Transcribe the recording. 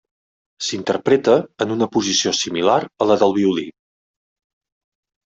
S'interpreta en una posició similar a la del violí.